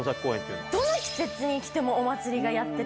どの季節に来てもお祭りがやってて。